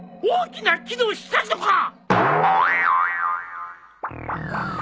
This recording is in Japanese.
大きな木の下とか！